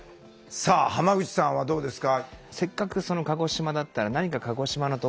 さあ濱口さんはどうですか？